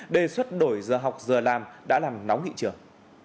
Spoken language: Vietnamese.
đề xuất đổi giờ học giờ làm đã làm nóng nghị trường